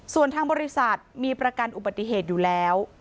ส่วนทางบริษัทมีประกันอุบัติเหตุอยู่แล้ว